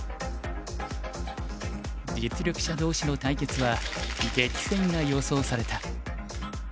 実力者同士の対決は激戦が予想された。